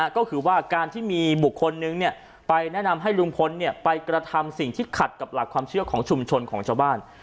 ก็คือว่าการที่มีบุคคลนึงไปแนะนำให้ลุงพลไปกระทำสิ่งที่ขัดกับหลักความเชื่อของชุมชนของชาวบ้าน